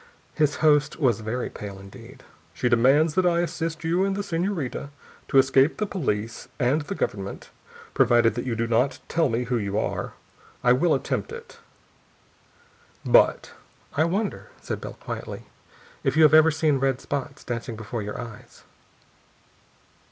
His host was very pale indeed. "She demands that I assist you and the senorita to escape the police and the government. Provided that you do not tell me who you are, I will attempt it. But " "I wonder," said Bell quietly, "if you have ever seen red spots dancing before your eyes."